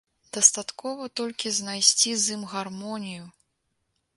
Дастаткова толькі знайсці з ім гармонію.